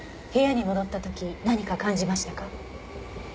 部屋に戻った時何か感じましたか？